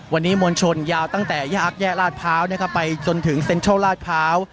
วันนี้มวลชนยาวตั้งแต่แยกอัพแยกลาดพร้าวนะครับไปจนถึงเซ็นทรัลลาดพร้าว